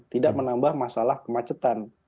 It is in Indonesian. tidak menambah masalah kemacetan